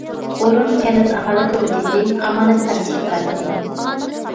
ئورۇن كەنت ئاھالە كومىتېتى، ئامانەت-قەرز كوپىراتىپى.